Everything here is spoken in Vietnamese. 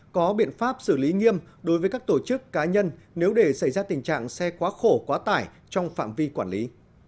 có biện pháp xử lý nghiêm đối với các tổ chức cá nhân nếu để xảy ra tình trạng xe quá khổ quá tải trong phạm vi quản lý